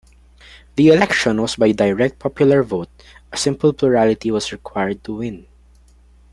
The election was by direct popular vote; a simple plurality was required to win.